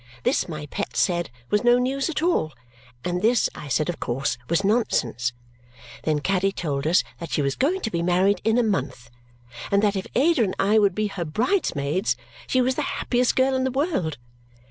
This, my pet said, was no news at all; and this, I said, of course, was nonsense. Then Caddy told us that she was going to be married in a month and that if Ada and I would be her bridesmaids, she was the happiest girl in the world.